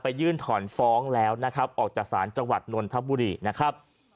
ยื่นถอนฟ้องแล้วนะครับออกจากศาลจังหวัดนนทบุรีนะครับ